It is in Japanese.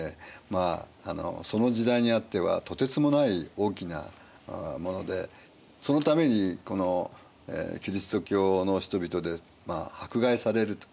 まあその時代にあってはとてつもない大きなものでそのためにこのキリスト教の人々で迫害されると。